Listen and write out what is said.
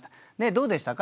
どうでしたか？